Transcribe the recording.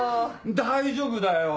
大丈夫だよ！